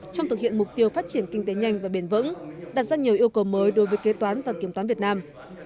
trong thực hiện mục tiêu phát triển kinh tế nhanh và bền vững đặt ra nhiều yêu cầu mới đối với kế toán và kiểm toán việt nam